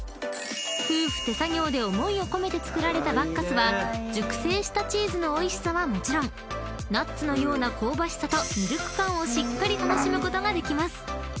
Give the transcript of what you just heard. ［夫婦手作業で思いを込めて作られたバッカスは熟成したチーズのおいしさはもちろんナッツのような香ばしさとミルク感をしっかり楽しむことができます］